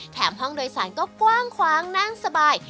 ห้องโดยสารก็กว้างคว้างนั่งสบาย